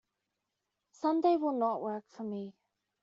Sunday will not work for me.